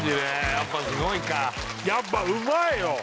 やっぱすごいかやっぱうまいよ！